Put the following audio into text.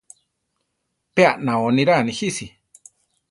Pe anao niraa nijisi.